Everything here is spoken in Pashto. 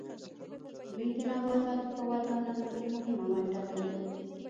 دوی د نباتاتو په وده او نمو کې مهمه ونډه لري.